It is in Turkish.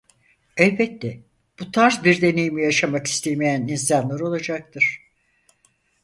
Elbette bu tarz bir deneyimi yaşamak istemeyen insanlar olacaktır.